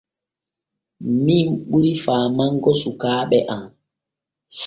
Min ɓuri faamango sukaaɓe amen.